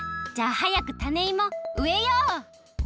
じゃあはやくタネイモうえよう！